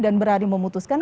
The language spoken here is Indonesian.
dan berani memutuskan